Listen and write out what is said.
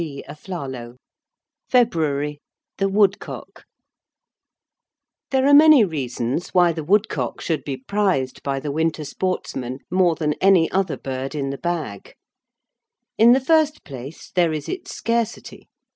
FEBRUARY THE WOODCOCK THE WOODCOCK There are many reasons why the woodcock should be prized by the winter sportsman more than any other bird in the bag. In the first place, there is its scarcity.